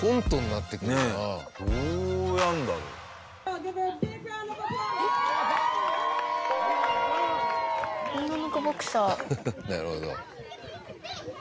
なるほど。